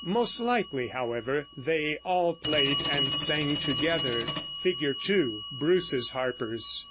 Most likely, however, they all played and sang together. [Illustration: Fig. 2. BRUCE'S HARPERS.